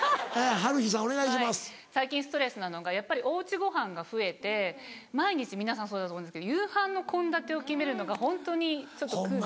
はい最近ストレスなのがやっぱりお家ごはんが増えて毎日皆さんそうだと思うんですけど夕飯の献立を決めるのがホントにちょっと苦で。